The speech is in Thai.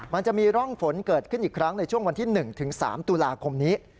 มันจะมีร่องฝนเกิดขึ้นอีกครั้งในช่วงวันที่๑๓ตุลาคมนี้